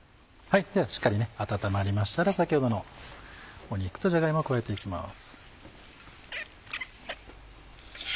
しっかり温まりましたら先ほどの肉とじゃが芋を加えて行きます。